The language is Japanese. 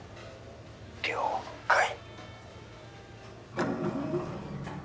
「了解」